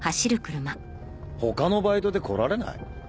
他のバイトで来られない？